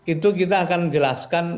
itu kita akan jelaskan